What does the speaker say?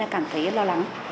cảm thấy lo lắng